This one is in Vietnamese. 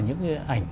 những cái ảnh